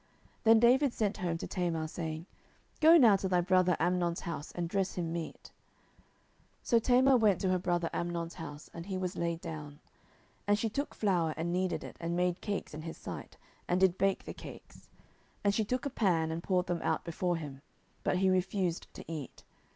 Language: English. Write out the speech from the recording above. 10:013:007 Then David sent home to Tamar, saying, Go now to thy brother Amnon's house, and dress him meat. 10:013:008 So Tamar went to her brother Amnon's house; and he was laid down. And she took flour, and kneaded it, and made cakes in his sight, and did bake the cakes. 10:013:009 And she took a pan, and poured them out before him; but he refused to eat.